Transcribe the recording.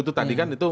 itu tadi kan itu